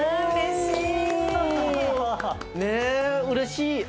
うれしい。